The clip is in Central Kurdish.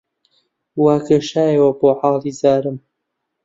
وا گەشایەوە بۆ حاڵی زارم